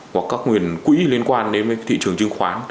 hoặc các nguồn quỹ liên quan đến thị trường chứng khoán